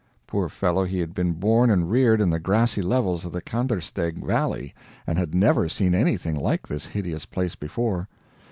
Poor fellow, he had been born and reared in the grassy levels of the Kandersteg valley and had never seen anything like this hideous place before.